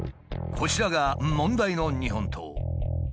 こちらが問題の日本刀。